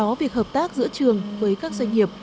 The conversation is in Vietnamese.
việc hợp tác giữa trường với các doanh nghiệp